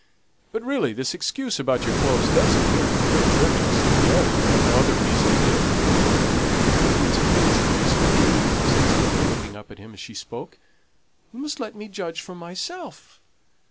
But, really, this excuse about your clothes does appear to be very trivial, Cynthia, if you have no other reason to give." "It is a real, true reason to me," said Cynthia, looking up at him as she spoke. "You must let me judge for myself.